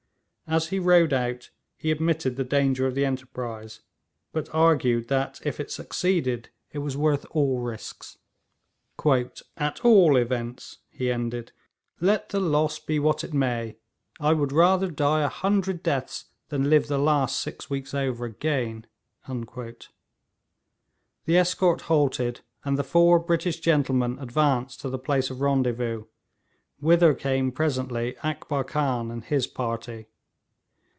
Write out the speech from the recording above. As he rode out, he admitted the danger of the enterprise, but argued that if it succeeded it was worth all risks. 'At all events,' he ended, 'let the loss be what it may, I would rather die a hundred deaths than live the last six weeks over again.' The escort halted, and the four British gentlemen advanced to the place of rendezvous, whither came presently Akbar Khan and his party.